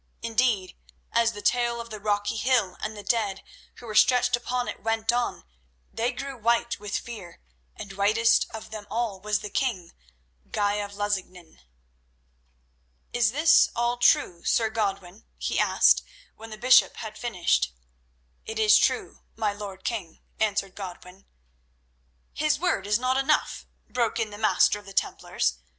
Indeed, as the tale of the rocky hill and the dead who were stretched upon it went on, they grew white with fear, and whitest of them all was the king, Guy of Lusignan. "Is all this true, Sir Godwin?" he asked, when the bishop had finished. "It is true, my lord king," answered Godwin. "His word is not enough," broke in the Master of the Templars.